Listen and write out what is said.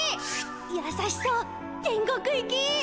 やさしそう天国行き！